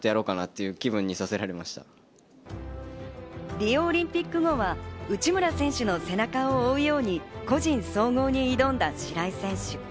リオオリンピック後は、内村選手の背中を追うように個人総合に挑んだ白井選手。